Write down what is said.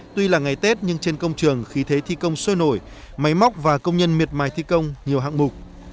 tuy là ngày tết nhưng trên công trường khí thế thi công sôi nổi máy móc và công nhân miệt mài thi công nhiều hạng mục